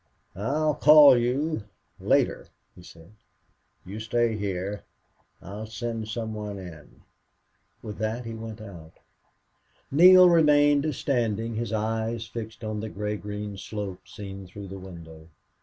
"I'll call you later," he said. "You stay here. I'll send some one in." With that he went out. Neale remained standing, his eyes fixed on the gray green slope, seen through the window.